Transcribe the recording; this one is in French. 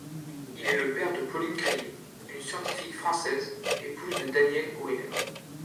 Il est le père de Pauline Crié, une scientifique française, épouse de Daniel Oehlert.